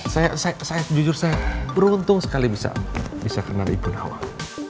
saya jujur saya beruntung sekali bisa kenal ibu nawang